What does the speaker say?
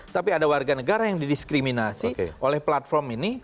tapi ada warga negara yang didiskriminasi oleh platform ini